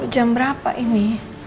jam berapa ini